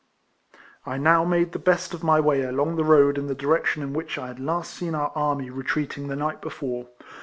I now made the best of my way along the road in the direction in which I had last seen our army retreating the night before.